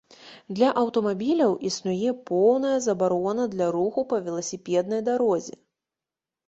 Для аўтамабіляў існуе поўная забарона для руху па веласіпеднай дарозе.